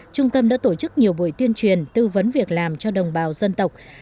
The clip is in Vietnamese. trung tâm đã tổ chức nhiều buổi tuyên truyền tư vấn việc làm cho đồng bào dân tộc